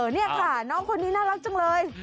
นี่ค่ะน้องคนนี้น่ารักจังเลย